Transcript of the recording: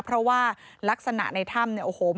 เพราะว่าลักษณะในถ้ำเนี่ยโอ้โห